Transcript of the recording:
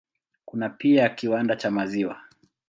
Kuna pia kiwanda cha maziwa.